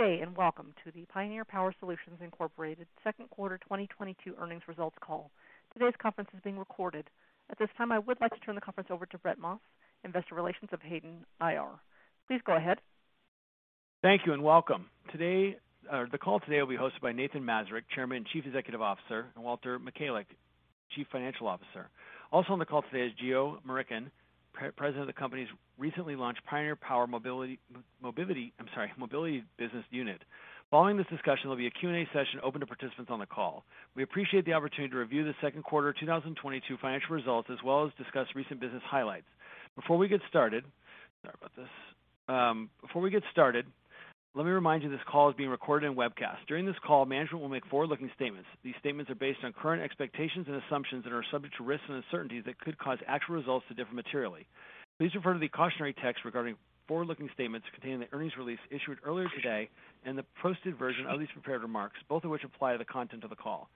Good day, and welcome to the Pioneer Power Solutions, Inc. Second Quarter 2022 Earnings Results Call. Today's conference is being recorded. At this time, I would like to turn the conference over to Brett Maas, Investor Relations of Hayden IR. Please go ahead. Thank you, and welcome. Today, the call today will be hosted by Nathan Mazurek, Chairman and Chief Executive Officer, and Walter Michalec, Chief Financial Officer. Also on the call today is Geo Murickan, President of the company's recently launched Pioneer Power Mobility mobility business unit. Following this discussion, there'll be a Q&A session open to participants on the call. We appreciate the opportunity to review the second quarter 2022 financial results as well as discuss recent business highlights. Before we get started, let me remind you this call is being recorded and webcast. During this call, management will make forward-looking statements. These statements are based on current expectations and assumptions that are subject to risks and uncertainties that could cause actual results to differ materially. Please refer to the cautionary text regarding forward-looking statements contained in the earnings release issued earlier today and the posted version of these prepared remarks, both of which apply to the content of the call.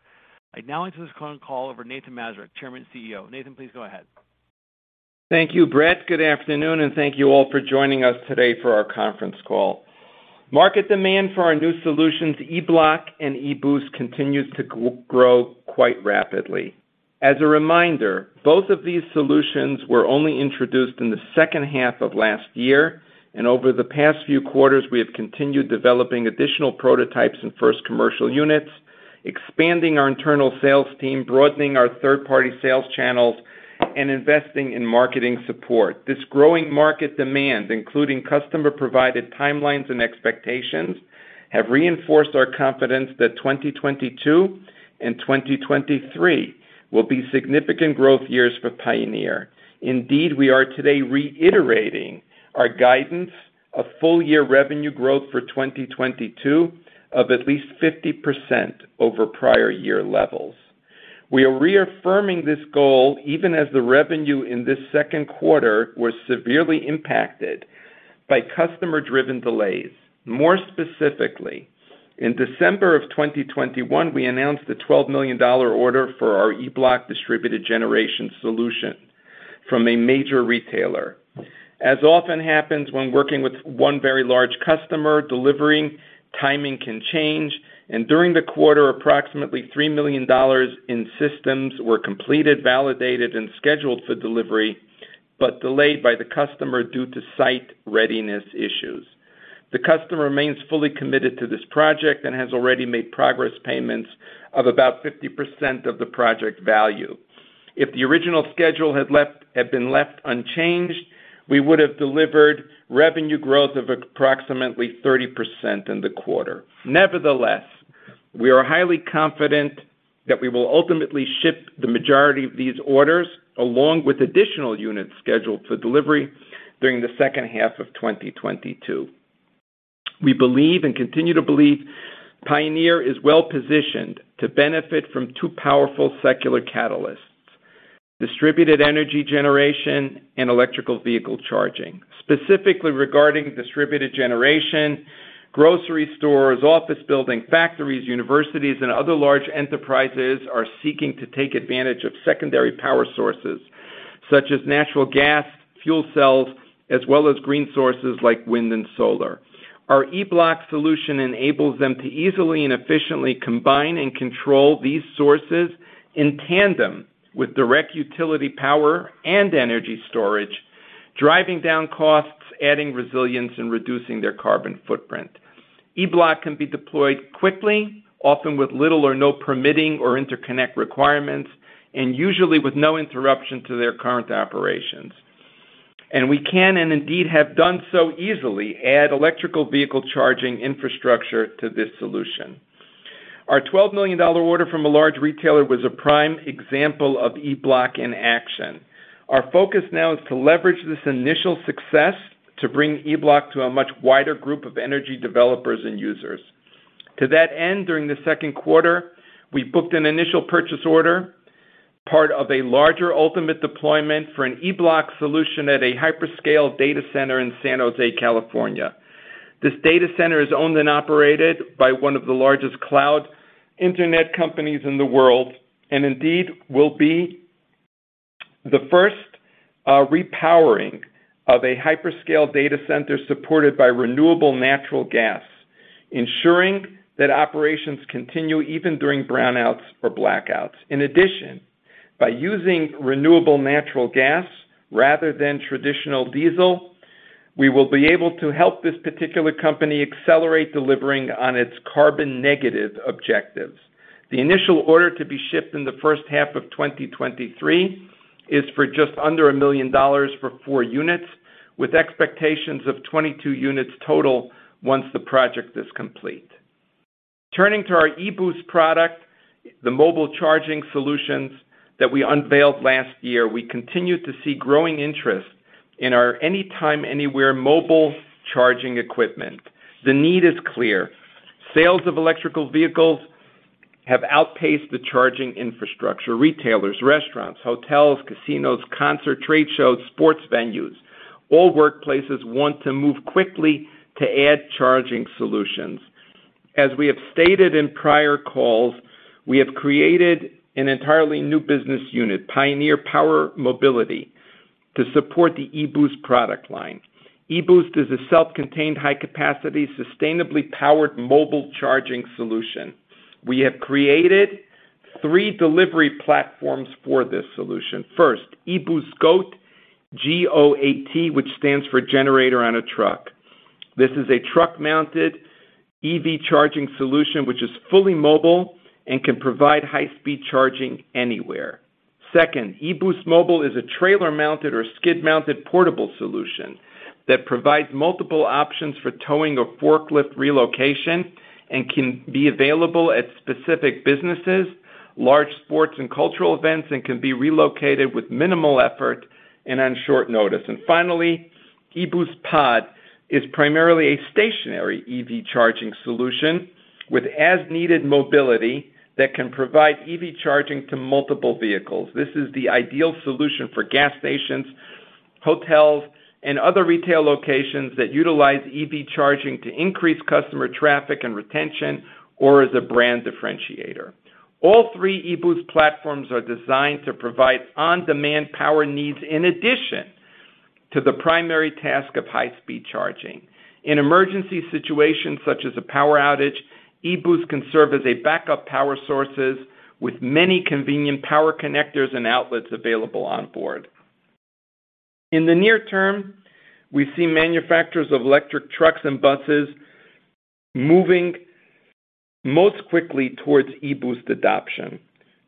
I'd now like to turn the call over to Nathan Mazurek, Chairman and CEO. Nathan, please go ahead. Thank you, Brett. Good afternoon, and thank you all for joining us today for our conference call. Market demand for our new solutions, E-Bloc and e-Boost, continues to grow quite rapidly. As a reminder, both of these solutions were only introduced in the second half of last year, and over the past few quarters, we have continued developing additional prototypes and first commercial units, expanding our internal sales team, broadening our third-party sales channels, and investing in marketing support. This growing market demand, including customer-provided timelines and expectations, have reinforced our confidence that 2022 and 2023 will be significant growth years for Pioneer. Indeed, we are today reiterating our guidance of full-year revenue growth for 2022 of at least 50% over prior year levels. We are reaffirming this goal even as the revenue in this second quarter was severely impacted by customer-driven delays. More specifically, in December of 2021, we announced a $12 million order for our E-Bloc distributed generation solution from a major retailer. As often happens when working with one very large customer, delivery timing can change, and during the quarter, approximately $3 million in systems were completed, validated, and scheduled for delivery, but delayed by the customer due to site readiness issues. The customer remains fully committed to this project and has already made progress payments of about 50% of the project value. If the original schedule had been left unchanged, we would have delivered revenue growth of approximately 30% in the quarter. Nevertheless, we are highly confident that we will ultimately ship the majority of these orders, along with additional units scheduled for delivery during the second half of 2022. We believe and continue to believe Pioneer is well-positioned to benefit from two powerful secular catalysts, distributed energy generation and electric vehicle charging. Specifically regarding distributed generation, grocery stores, office buildings, factories, universities, and other large enterprises are seeking to take advantage of secondary power sources, such as natural gas, fuel cells, as well as green sources like wind and solar. Our E-Bloc solution enables them to easily and efficiently combine and control these sources in tandem with direct utility power and energy storage, driving down costs, adding resilience, and reducing their carbon footprint. E-Bloc can be deployed quickly, often with little or no permitting or interconnect requirements, and usually with no interruption to their current operations. We can, and indeed have done so easily, add electric vehicle charging infrastructure to this solution. Our $12 million order from a large retailer was a prime example of E-Bloc in action. Our focus now is to leverage this initial success to bring E-Bloc to a much wider group of energy developers and users. To that end, during the second quarter, we booked an initial purchase order, part of a larger ultimate deployment for an E-Bloc solution at a hyperscale data center in San Jose, California. This data center is owned and operated by one of the largest cloud internet companies in the world and indeed will be the first, repowering of a hyperscale data center supported by renewable natural gas, ensuring that operations continue even during brownouts or blackouts. In addition, by using renewable natural gas rather than traditional diesel, we will be able to help this particular company accelerate delivering on its carbon-negative objectives. The initial order to be shipped in the first half of 2023 is for just under $1 million for four units, with expectations of 22 units total once the project is complete. Turning to our e-Boost product, the mobile charging solutions that we unveiled last year, we continue to see growing interest in our anytime, anywhere mobile charging equipment. The need is clear. Sales of electric vehicles have outpaced the charging infrastructure. Retailers, restaurants, hotels, casinos, concert trade shows, sports venues, all workplaces want to move quickly to add charging solutions. We have stated in prior calls, we have created an entirely new business unit, Pioneer Power Mobility, to support the e-Boost product line. e-Boost is a self-contained, high-capacity, sustainably powered mobile charging solution. We have created three delivery platforms for this solution. First, e-Boost GOAT., G-O-A-T, which stands for generator on a truck. This is a truck-mounted EV charging solution which is fully mobile and can provide high-speed charging anywhere. Second, e-Boost Mobile is a trailer-mounted or skid-mounted portable solution that provides multiple options for towing or forklift relocation and can be available at specific businesses, large sports and cultural events, and can be relocated with minimal effort and on short notice. Finally, e-Boost Pod is primarily a stationary EV charging solution with as-needed mobility that can provide EV charging to multiple vehicles. This is the ideal solution for gas stations, hotels, and other retail locations that utilize EV charging to increase customer traffic and retention, or as a brand differentiator. All three e-Boost platforms are designed to provide on-demand power needs in addition to the primary task of high-speed charging. In emergency situations such as a power outage, e-Boost can serve as a backup power sources with many convenient power connectors and outlets available on board. In the near term, we see manufacturers of electric trucks and buses moving most quickly towards e-Boost adoption.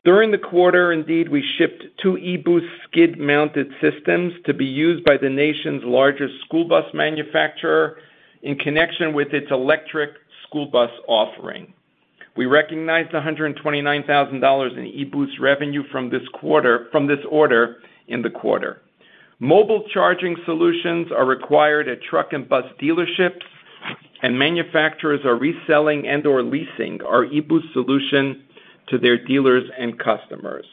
During the quarter, indeed, we shipped two e-Boost skid-mounted systems to be used by the nation's largest school bus manufacturer in connection with its electric school bus offering. We recognized $129,000 in e-Boost revenue from this order in the quarter. Mobile charging solutions are required at truck and bus dealerships, and manufacturers are reselling and/or leasing our e-Boost solution to their dealers and customers,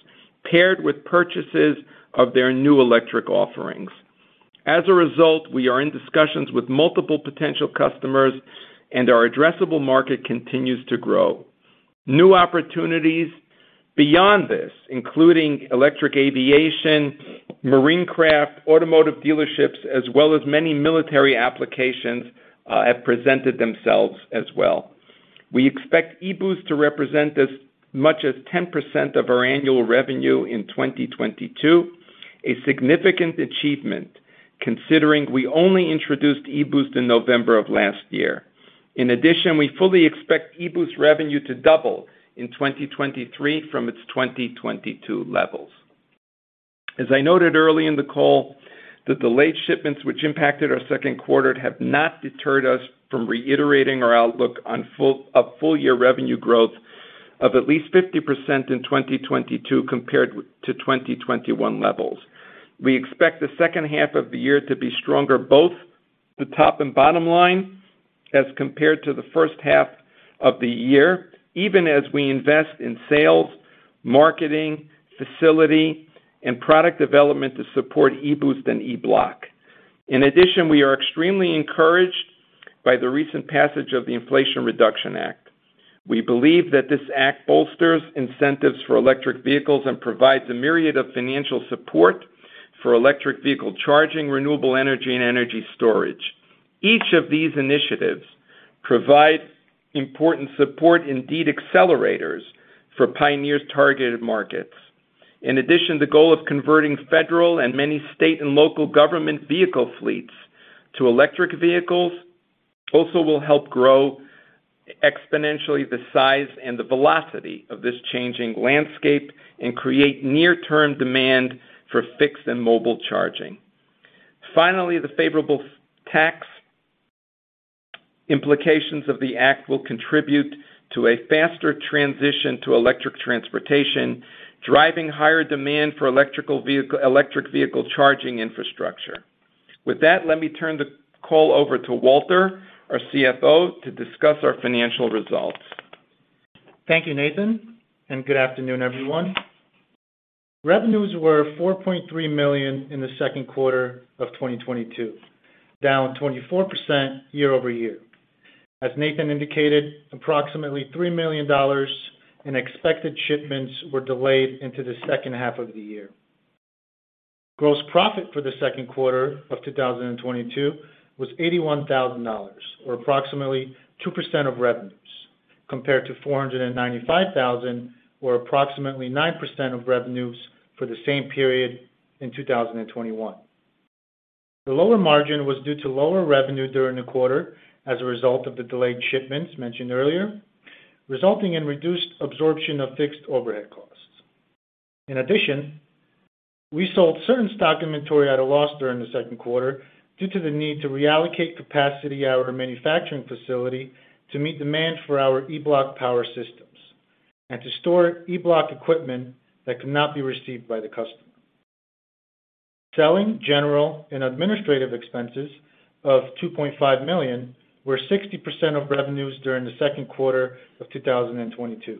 paired with purchases of their new electric offerings. As a result, we are in discussions with multiple potential customers and our addressable market continues to grow. New opportunities beyond this, including electric aviation, marine craft, automotive dealerships, as well as many military applications, have presented themselves as well. We expect e-Boost to represent as much as 10% of our annual revenue in 2022, a significant achievement considering we only introduced e-Boost in November of last year. In addition, we fully expect e-Boost revenue to double in 2023 from its 2022 levels. As I noted early in the call, the delayed shipments which impacted our second quarter have not deterred us from reiterating our outlook on a full year revenue growth of at least 50% in 2022 compared to 2021 levels. We expect the second half of the year to be stronger, both the top and bottom line, as compared to the first half of the year, even as we invest in sales, marketing, facility, and product development to support e-Boost and E-Bloc. In addition, we are extremely encouraged by the recent passage of the Inflation Reduction Act. We believe that this act bolsters incentives for electric vehicles and provides a myriad of financial support for electric vehicle charging, renewable energy, and energy storage. Each of these initiatives provide important support, indeed accelerators, for Pioneer's targeted markets. In addition, the goal of converting federal and many state and local government vehicle fleets to electric vehicles also will help grow exponentially the size and the velocity of this changing landscape and create near-term demand for fixed and mobile charging. Finally, the favorable tax implications of the Act will contribute to a faster transition to electric transportation, driving higher demand for electric vehicle charging infrastructure. With that, let me turn the call over to Walter, our CFO, to discuss our financial results. Thank you, Nathan, and good afternoon, everyone. Revenues were $4.3 million in the second quarter of 2022, down 24% year-over-year. As Nathan indicated, approximately $3 million in expected shipments were delayed into the second half of the year. Gross profit for the second quarter of 2022 was $81,000, or approximately 2% of revenues, compared to $495,000, or approximately 9% of revenues for the same period in 2021. The lower margin was due to lower revenue during the quarter as a result of the delayed shipments mentioned earlier, resulting in reduced absorption of fixed overhead costs. In addition, we sold certain stock inventory at a loss during the second quarter due to the need to reallocate capacity at our manufacturing facility to meet demand for our E-Bloc power systems and to store E-Bloc equipment that could not be received by the customer. Selling, general and administrative expenses of $2.5 million were 60% of revenues during the second quarter of 2022,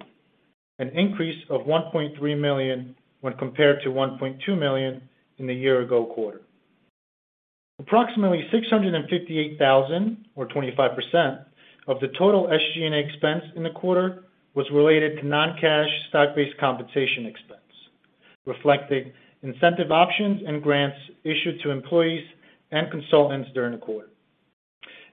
an increase of $1.3 million when compared to $1.2 million in the year ago quarter. Approximately $658,000 or 25% of the total SG&A expense in the quarter was related to non-cash stock-based compensation expense, reflecting incentive options and grants issued to employees and consultants during the quarter.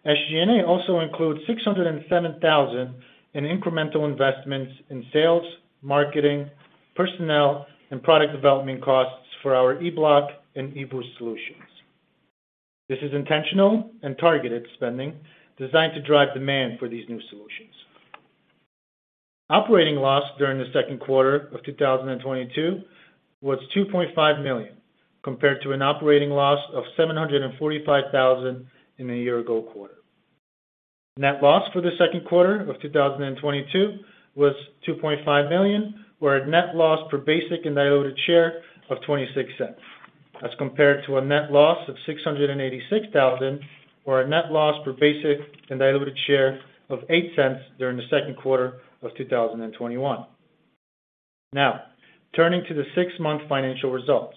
SG&A also includes $607,000 in incremental investments in sales, marketing, personnel, and product development costs for our E-Bloc and e-Boost solutions. This is intentional and targeted spending designed to drive demand for these new solutions. Operating loss during the second quarter of 2022 was $2.5 million, compared to an operating loss of $745 thousand in the year ago quarter. Net loss for the second quarter of 2022 was $2.5 million, or a net loss per basic and diluted share of $0.26. That's compared to a net loss of $686 thousand, or a net loss per basic and diluted share of $0.08 during the second quarter of 2021. Now, turning to the six-month financial results.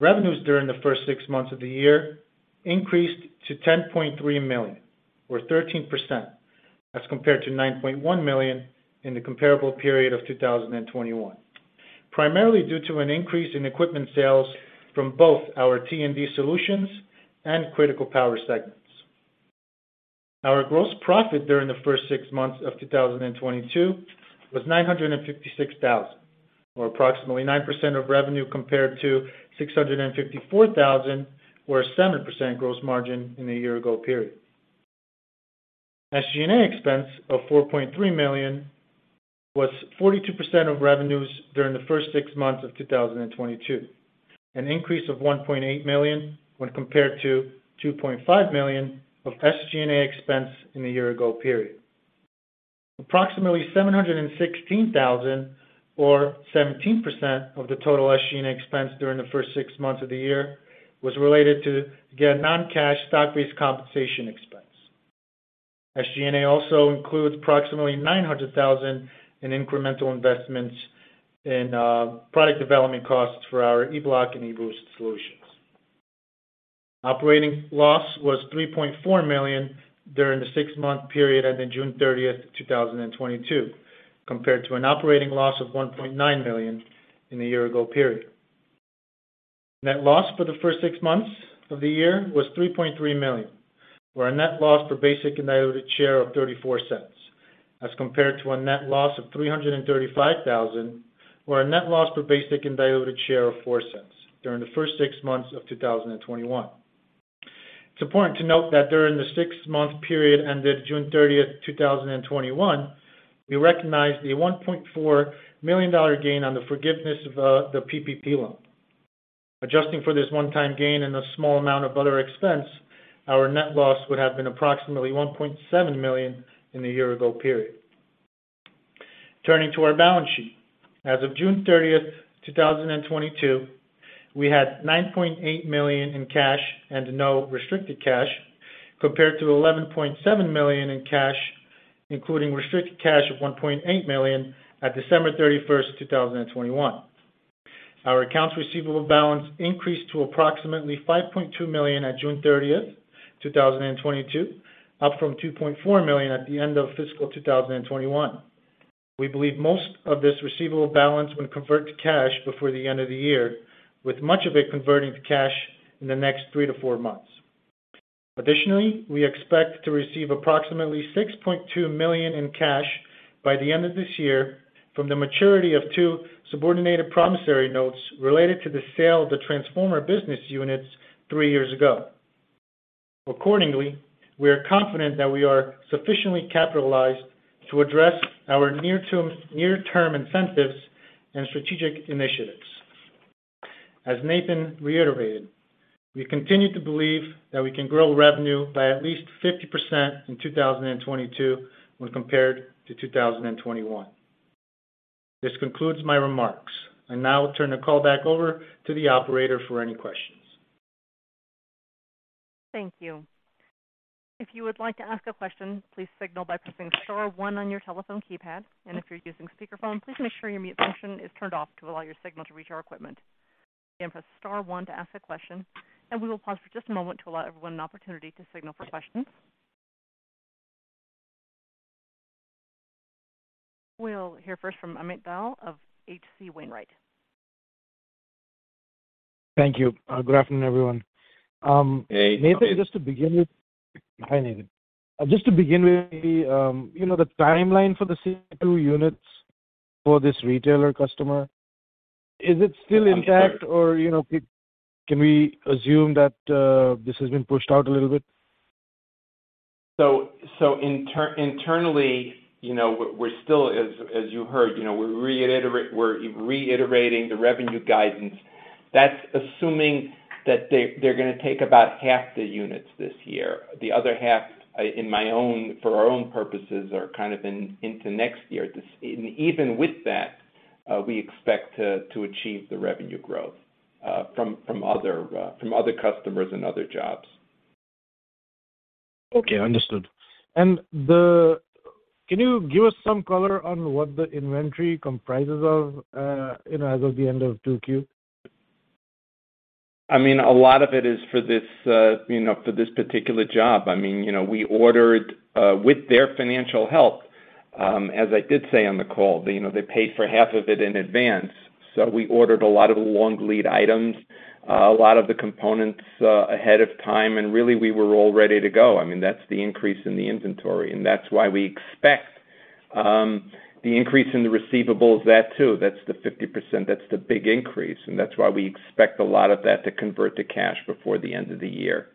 Revenues during the first six months of the year increased to $10.3 million or 13% as compared to $9.1 million in the comparable period of 2021, primarily due to an increase in equipment sales from both our T&D solutions and critical power segments. Our gross profit during the first six months of 2022 was $956 thousand or approximately 9% of revenue, compared to $654 thousand or 7% gross margin in the year ago period. SG&A expense of $4.3 million was 42% of revenues during the first six months of 2022, an increase of $1.8 million when compared to $2.5 million of SG&A expense in the year ago period. Approximately $716,000 or 17% of the total SG&A expense during the first six months of the year was related to, again, non-cash stock-based compensation expense. SG&A also includes approximately $900,000 in incremental investments in product development costs for our E-Bloc and e-Boost solutions. Operating loss was $3.4 million during the six-month period ended June 30th, 2022, compared to an operating loss of $1.9 million in the year ago period. Net loss for the first six months of the year was $3.3 million, or a net loss per basic and diluted share of $0.34 as compared to a net loss of $335,000 or a net loss per basic and diluted share of $0.04 during the first six months of 2021. It's important to note that during the six-month period ended June 30, 2021, we recognized a $1.4 million gain on the forgiveness of the PPP loan. Adjusting for this one-time gain and a small amount of other expense, our net loss would have been approximately $1.7 million in the year ago period. Turning to our balance sheet. As of June 30, 2022, we had $9.8 million in cash and no restricted cash, compared to $11.7 million in cash, including restricted cash of $1.8 million at December 31, 2021. Our accounts receivable balance increased to approximately $5.2 million at June 30, 2022, up from $2.4 million at the end of fiscal 2021. We believe most of this receivable balance will convert to cash before the end of the year, with much of it converting to cash in the next 3-4 months. Additionally, we expect to receive approximately $6.2 million in cash by the end of this year from the maturity of two subordinated promissory notes related to the sale of the transformer business units three years ago. Accordingly, we are confident that we are sufficiently capitalized to address our near term incentives and strategic initiatives. As Nathan reiterated, we continue to believe that we can grow revenue by at least 50% in 2022 when compared to 2021. This concludes my remarks. I now turn the call back over to the operator for any questions. Thank you. If you would like to ask a question, please signal by pressing star one on your telephone keypad. If you're using speakerphone, please make sure your mute function is turned off to allow your signal to reach our equipment. Again, press star one to ask a question, and we will pause for just a moment to allow everyone an opportunity to signal for questions. We'll hear first from Amit Dayal of H.C. Wainwright. Thank you. Good afternoon, everyone. Hey- Hi, Nathan. Just to begin with, you know, the timeline for the 22 units for this retailer customer, is it still intact or, you know, can we assume that this has been pushed out a little bit? Internally, you know, we're still as you heard, you know, we're reiterating the revenue guidance. That's assuming that they're gonna take about half the units this year. The other half, for our own purposes, are kind of into next year. Even with that, we expect to achieve the revenue growth from other customers and other jobs. Okay, understood. Can you give us some color on what the inventory comprises of as of the end of 2Q? I mean, a lot of it is for this, you know, for this particular job. I mean, you know, we ordered, with their financial help, as I did say on the call, you know, they paid for half of it in advance. We ordered a lot of the long lead items, a lot of the components, ahead of time, and really we were all ready to go. I mean, that's the increase in the inventory, and that's why we expect the increase in the receivables, that too. That's the 50%, that's the big increase, and that's why we expect a lot of that to convert to cash before the end of the year.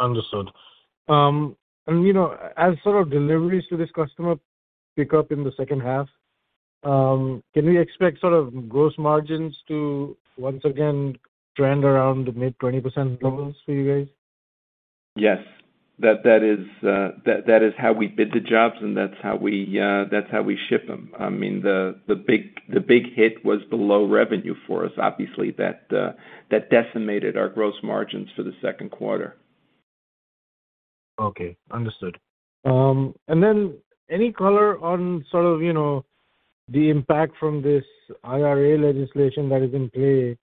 Understood. You know, as sort of deliveries to this customer pick up in the second half, can we expect sort of gross margins to once again trend around mid-20% levels for you guys? Yes. That is how we bid the jobs and that's how we ship them. I mean, the big hit was the low revenue for us, obviously, that decimated our gross margins for the second quarter. Okay. Understood. Any color on sort of, you know, the impact from this IRA legislation that is in play,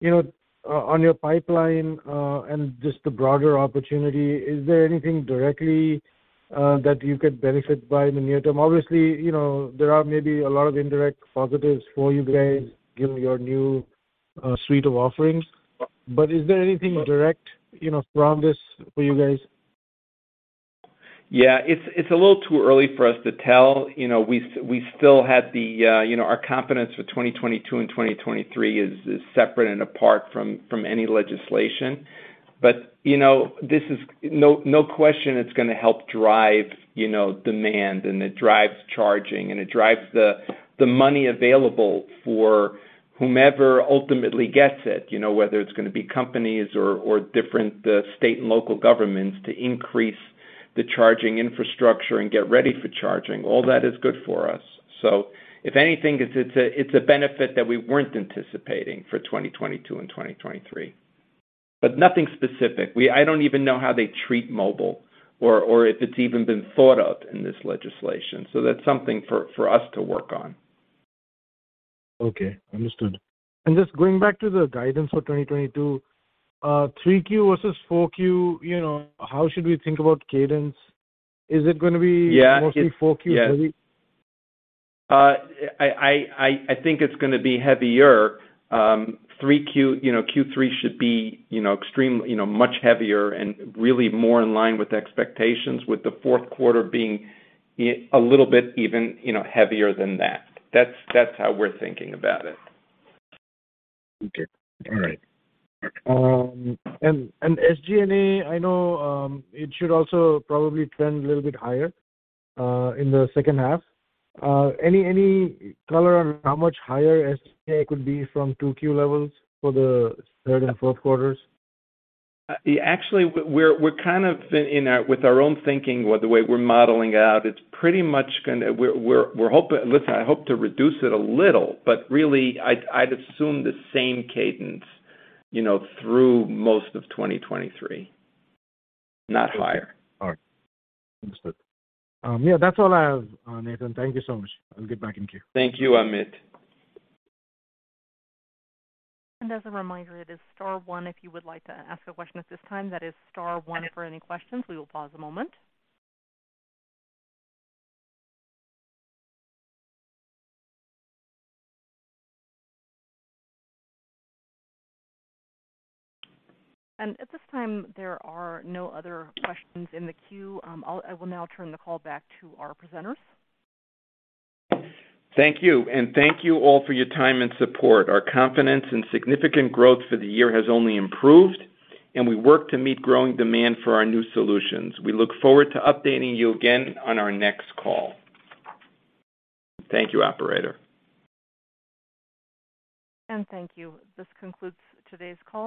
you know, on your pipeline, and just the broader opportunity, is there anything directly that you could benefit by in the near term? Obviously, you know, there are maybe a lot of indirect positives for you guys given your new suite of offerings, but is there anything direct, you know, from this for you guys? Yeah. It's a little too early for us to tell. You know, we still had the, you know, our confidence for 2022 and 2023 is separate and apart from any legislation. You know, this is no question it's gonna help drive, you know, demand and it drives charging and it drives the money available for whomever ultimately gets it, you know, whether it's gonna be companies or different state and local governments to increase the charging infrastructure and get ready for charging. All that is good for us. If anything, it's a benefit that we weren't anticipating for 2022 and 2023. Nothing specific. I don't even know how they treat mobile or if it's even been thought of in this legislation. That's something for us to work on. Okay. Understood. Just going back to the guidance for 2022, 3Q versus 4Q, you know, how should we think about cadence? Is it gonna be- Yeah. Mostly Q4 heavy? Yes. I think it's gonna be heavier. Q3 should be, you know, extremely much heavier and really more in line with expectations, with the fourth quarter being a little bit even heavier than that. That's how we're thinking about it. Okay. All right. SG&A, I know, it should also probably trend a little bit higher, in the second half. Any color on how much higher SG&A could be from 2Q levels for the third and fourth quarters? Actually, we're with our own thinking or the way we're modeling out, it's pretty much gonna. We're hoping. Listen, I hope to reduce it a little, but really I'd assume the same cadence, you know, through most of 2023, not higher. All right. Understood. Yeah, that's all I have, Nathan. Thank you so much. I'll get back in queue. Thank you, Amit. As a reminder, it is star one if you would like to ask a question at this time. That is star one for any questions. We will pause a moment. At this time, there are no other questions in the queue. I will now turn the call back to our presenters. Thank you. Thank you all for your time and support. Our confidence in significant growth for the year has only improved, and we work to meet growing demand for our new solutions. We look forward to updating you again on our next call. Thank you, operator. Thank you. This concludes today's call.